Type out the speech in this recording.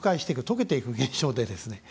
解けていく現象でですね。